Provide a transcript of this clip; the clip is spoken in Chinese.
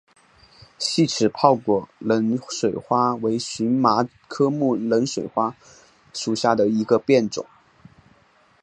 细齿泡果冷水花为荨麻科冷水花属下的一个变种。